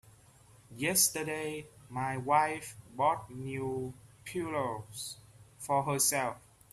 Yesterday my wife bought new pillows for herself.